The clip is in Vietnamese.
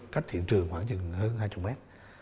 cách hiện trường khoảng hơn hai mươi mét